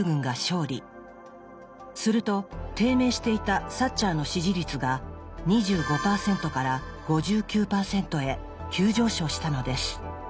すると低迷していたサッチャーの支持率が２５％から５９％へ急上昇したのです。